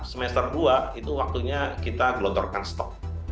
semester dua itu waktunya kita gelontorkan stok